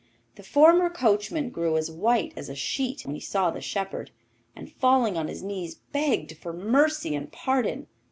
The former coachman grew as white as a sheet when he saw the shepherd, and, falling on his knees, begged for mercy and pardon.